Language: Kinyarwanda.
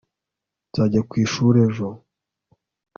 nzajya ku ishuri ejo